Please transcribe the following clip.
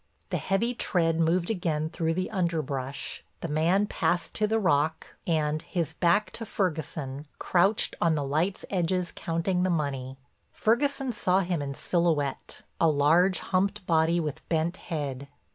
The heavy tread moved again through the underbrush, the man passed to the rock, and, his back to Ferguson, crouched on the light's edges counting the money. Ferguson saw him in silhouette, a large, humped body with bent head.